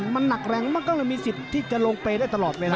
มันหนักแรงมันก็เลยมีสิทธิ์ที่จะลงเปรย์ได้ตลอดเวลา